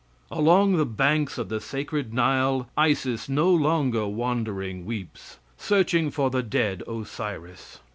Along the banks of the sacred Nile, Isis no longer wandering weeps, searching for the dead Osiris.